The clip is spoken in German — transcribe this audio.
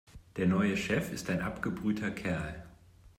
Der neue Chef ist ein abgebrühter Kerl.